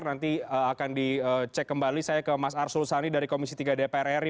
nanti akan dicek kembali saya ke mas arsul sani dari komisi tiga dpr ri